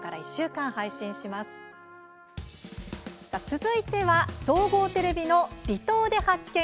続いては、総合テレビの「離島で発見！